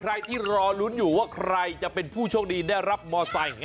รอที่รอลุ้นอยู่ว่าใครจะเป็นผู้โชคดีได้รับมอไซค์